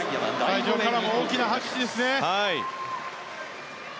会場からも大きな拍手ですね。